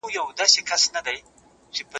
دروغجن تعامل ټولنه خرابوي.